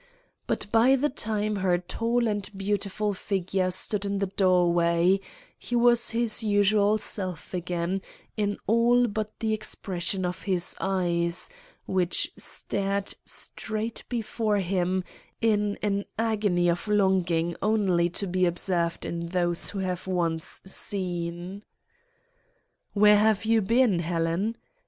But by the time her tall and beautiful figure stood in the doorway he was his usual self again in all but the expression of his eyes, which stared straight before him in an agony of longing only to be observed in those who have once seen. "'Where have you been, Helen?